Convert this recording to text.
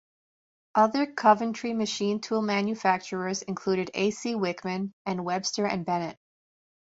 Other Coventry machine tool manufacturers included A. C. Wickman, and Webster and Bennett.